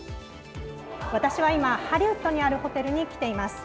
私は今、ハリウッドにあるホテルに来ています。